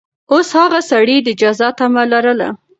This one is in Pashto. اوس هغه سړي د جزا تمه لرله.